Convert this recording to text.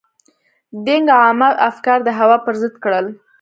دینګ عامه افکار د هوا پر ضد کړل.